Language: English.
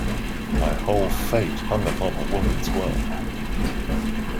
My whole fate hung upon a woman's word.